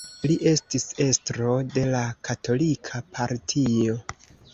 Li estis estro de la Katolika Partio.